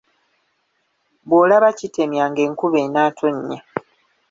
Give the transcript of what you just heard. Bwolaba kitemya ng’enkuba enaatonya.